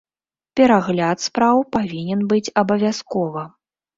Перагляд спраў павінен быць абавязкова.